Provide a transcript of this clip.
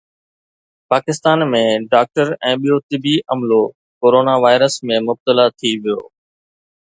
Pakistan ۾ doctor ۽ ٻيو طبي عملو ڪورونا وائرس ۾ مبتلا ٿي ويو